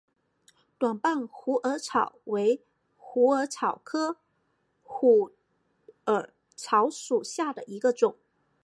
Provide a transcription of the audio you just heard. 短瓣虎耳草为虎耳草科虎耳草属下的一个种。